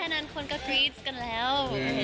โหแค่นั้นคนก็กรีดกันแล้ว